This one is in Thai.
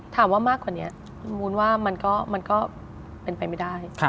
ถามว่ามากกว่านี้มูลว่ามันก็เป็นไปไม่ได้